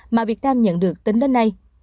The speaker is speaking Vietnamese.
mà việt nam nhận được tính đến nay